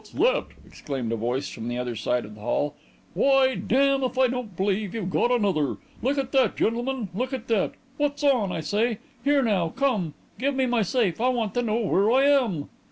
What's that?" exclaimed a voice from the other side of the hall. "Why, damme if I don't believe you've got another! Look at that, gentlemen; look at that. What's on, I say? Here now, come; give me my safe. I want to know where I am."